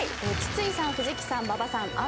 筒井さん藤木さん馬場さん